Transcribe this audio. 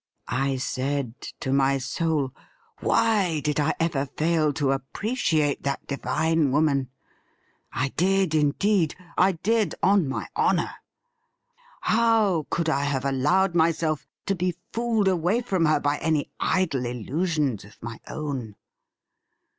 I said to my soul, " Why did I ever fail to appreciate that divine woman .''" I did indeed ; I did, on my honour. " How could I have allowed myself to be fooled away from her by any idle illusions of my own